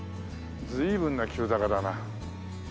随分な急坂だな。